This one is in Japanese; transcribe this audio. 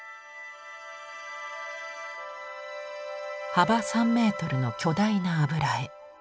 幅３メートルの巨大な油絵。